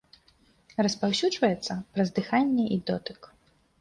Распаўсюджваецца праз дыханне і дотык.